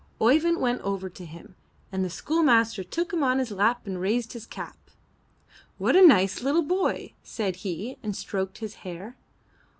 '' Oeyvind went over to him; the schoolmaster took him on his lap and raised his cap. 'What a nice little boy!" said he and stroked his hair.